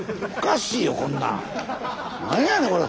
なんやねんこれ！